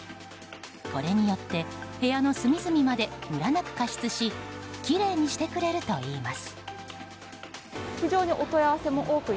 これによって、部屋の隅々までむらなく加湿しきれいにしてくれるといいます。